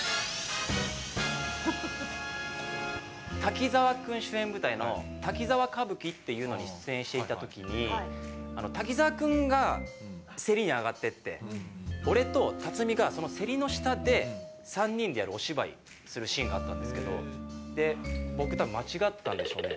滝沢君主演舞台の滝沢歌舞伎っていうのに出演していたときに、滝沢君がセリで上がっていって、俺と辰巳がそのセリの下で３人でやるお芝居をするシーンがあったんですけど、僕、間違ったんでしょうね。